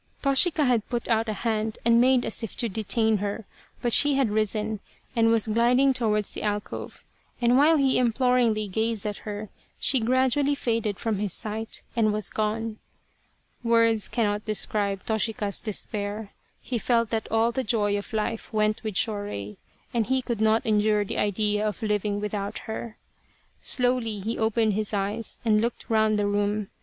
Toshika had put out a hand and made as if to de tain her, but she had risen and was gliding towards the alcove, and while he imploringly gazed at her she gradually faded from his sight and was gone. Words cannot describe Toshika's despair. He felt that all the joy of life went with Shorei, and he could not endure the idea of living without her. Slowly he opened his eyes and looked round the roo: .